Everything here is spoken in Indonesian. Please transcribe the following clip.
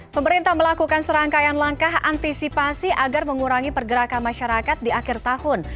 pemerintah melakukan serangkaian langkah antisipasi agar mengurangi pergerakan masyarakat di akhir tahun